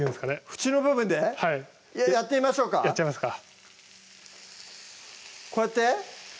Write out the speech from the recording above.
縁の部分でやってみましょうかやっちゃいますかこうやって？